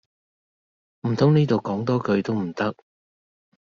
唔通呢度講多句都唔得